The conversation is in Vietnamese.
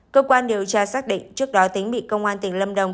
cơ quan điều tra xác định trước đó tính bị công an tỉnh lâm đồng